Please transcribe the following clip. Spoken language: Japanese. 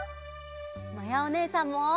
まやおねえさんも！